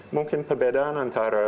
mungkin perbedaan antara